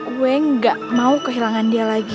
gue gak mau kehilangan dia lagi